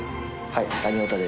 はい。